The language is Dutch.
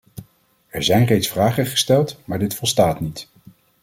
Er zijn reeds vragen gesteld maar dit volstaat niet.